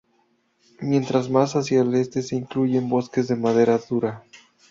Mientras más hacia el este se incluyen bosques de madera dura.